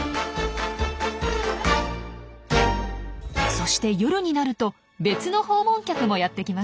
そして夜になると別の訪問客もやって来ます。